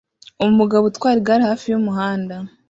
Umugabo utwara igare hafi yumuhanda